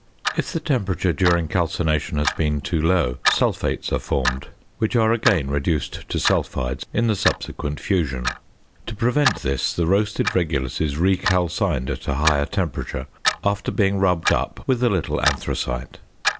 If the temperature during calcination has been too low sulphates are formed, which are again reduced to sulphides in the subsequent fusion. To prevent this the roasted regulus is recalcined at a higher temperature, after being rubbed up with a little anthracite.